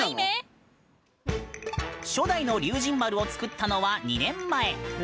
初代の龍神丸を作ったのは２年前。